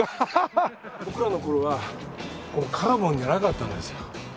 僕らの頃はカーボンじゃなかったんですよ。